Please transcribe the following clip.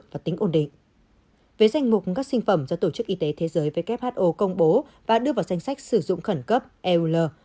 với danh mục các sinh phẩm do tổ chức y tế thế giới who công bố và đưa vào danh sách sử dụng khẩn cấp eu